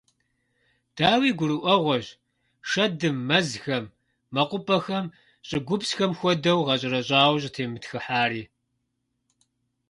Дауи, гурыӀуэгъуэщ шэдым мэзхэм, мэкъупӀэхэм, щӀыгупсхэм хуэдэу гъэщӀэрэщӀауэ щӀытемытхыхьари.